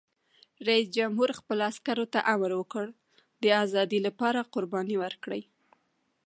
رئیس جمهور خپلو عسکرو ته امر وکړ؛ د ازادۍ لپاره قرباني ورکړئ!